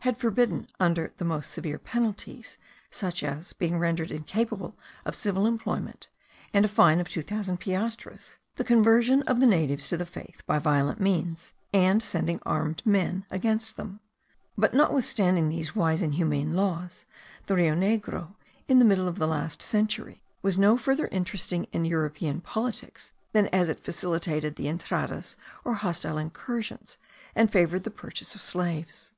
had forbidden under the most severe penalties (such as the being rendered incapable of civil employment, and a fine of two thousand piastres), the conversion of the natives to the faith by violent means, and sending armed men against them; but notwithstanding these wise and humane laws, the Rio Negro, in the middle of the last century, was no further interesting in European politics, than as it facilitated the entradas, or hostile incursions, and favoured the purchase of slaves.